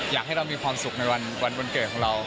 อยากให้เรามีความสุขในวันเกิดของเรา